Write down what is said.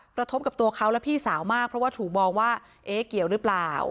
กระทบกับตัวเขาและพี่สาวมากเพราะว่าถูกมองว่าเอ๊ะเกี่ยวหรือเปล่า